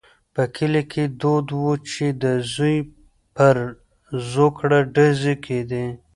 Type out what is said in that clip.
په کلي کې دود وو چې د زوی پر زوکړه ډزې کېدې.